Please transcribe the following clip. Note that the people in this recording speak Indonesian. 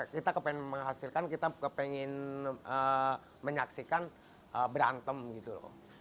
kita ingin menghasilkan kita ingin menyaksikan berantem gitu loh